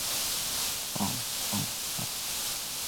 仿人面蟹为人面蟹科仿人面蟹属的动物。